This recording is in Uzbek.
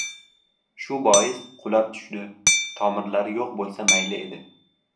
Shu bois, qulab tushdi, tomirlari yo‘q bo‘lsa, mayli edi